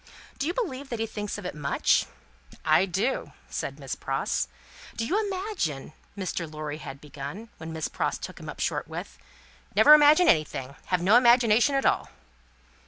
"Do you believe that he thinks of it much?" "I do," said Miss Pross. "Do you imagine " Mr. Lorry had begun, when Miss Pross took him up short with: "Never imagine anything. Have no imagination at all."